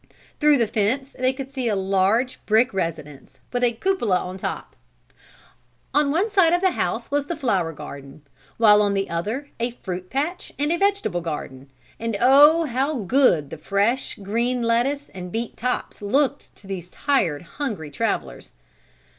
Through the fence they could see a large, brick residence with a cupola on top. On one side of the house was the flower garden, while on the other a fruit patch and vegetable garden. And oh, how good the fresh, green lettuce and beet tops looked to these tired, hungry travelers.